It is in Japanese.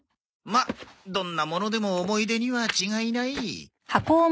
まっどんなものでも思い出には違いない。